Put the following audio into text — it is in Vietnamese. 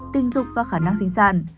một mươi một tinh dục và khả năng sinh sản